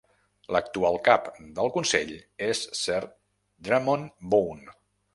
L'actual cap del Consell es Sir Drummond Bone.